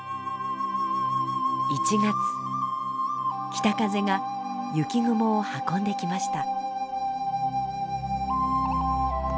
北風が雪雲を運んできました。